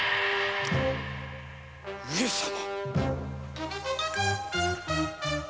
上様！